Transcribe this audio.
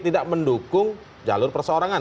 tidak mendukung jalur perseorangan